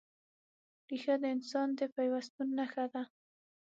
ریښه د انسان د پیوستون نښه ده.